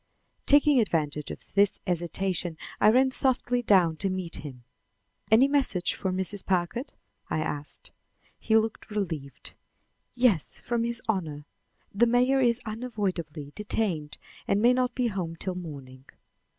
Taking advantage of this hesitation, I ran softly down to meet him. "Any message for Mrs. Packard?" I asked. He looked relieved. "Yes, from his Honor. The mayor is unavoidably detained and may not be home till morning."